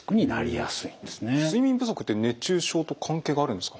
睡眠不足って熱中症と関係があるんですか？